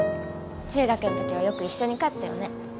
中学んときはよく一緒に帰ったよね。